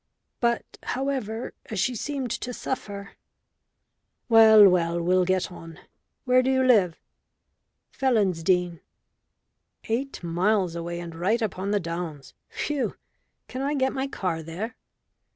But, however, as she seemed to suffer " "Well, well. We'll get on. Where do you live?" "Felonsdene." "Eight miles away and right up on the downs. Phew! Can I get my car there?"